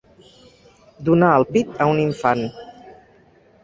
Donar el pit a un infant.